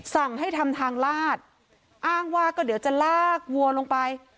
สั่งให้ทำทางลาดอ้างว่าก็เดี๋ยวจะลากวัวลงไป